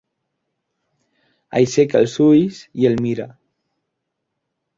Aixeca els ulls i el mira.